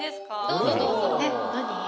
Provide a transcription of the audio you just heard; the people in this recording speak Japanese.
どうぞどうぞえっ何？